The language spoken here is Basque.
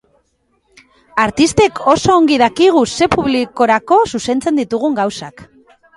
Artistek oso ongi dakigu ze publikorako zuzentzen ditugun gauzak.